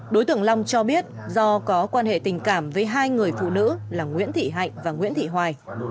đối tượng long cho biết do có quan hệ tình cảm với hai người phụ nữ là nguyễn thị hạnh và nguyễn thị hoài